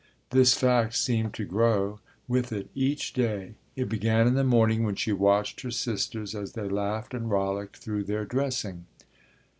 This fact seemed to grow with it each day. It began in the morning when she watched her sisters as they laughed and rollicked through their dressing.